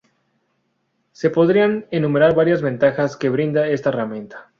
Se podrían enumerar varias ventajas que brinda esta herramienta.